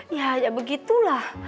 ya ya begitulah